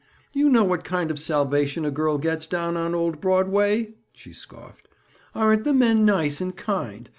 "You know what kind of salvation a girl gets down on old Broadway?" she scoffed. "Aren't the men nice and kind?